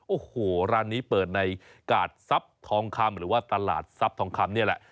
โอ้โหร้านนี้เปิดในกาดทรัพย์ทองคำหรือว่าตลาดทรัพย์ทองคำนี่แหละ